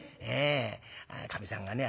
かみさんがね